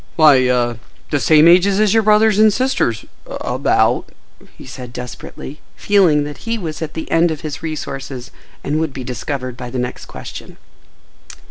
"Why,—ah—the same ages as your brothers and sisters—about," he said desperately, feeling that he was at the end of his resources and would be discovered by the next question.